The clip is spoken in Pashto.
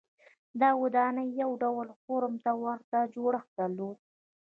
دا ودانۍ یو ډول هرم ته ورته جوړښت درلود.